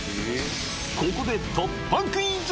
ここで突破クイズ！